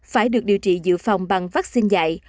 phải được điều trị dự phòng bằng vaccine dạy